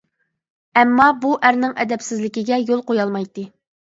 ئەمما، ئۇ بۇ ئەرنىڭ ئەدەپسىزلىكىگە يول قويالمايتتى.